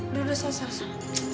udah udah sar sar sar